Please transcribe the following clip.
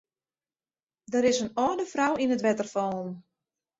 Der is in âlde frou yn it wetter fallen.